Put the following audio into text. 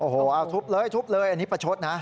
โอ้โหเอาทุบเลยทุบเลยอันนี้ประชดนะ